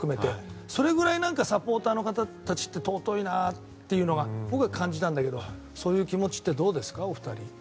それぐらいサポーターの方たちは尊いなっていうのを僕は感じたんだけどそういう気持ちってどうですかお二人は。